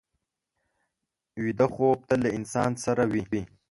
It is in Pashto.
ویده خوب تل له انسان سره وي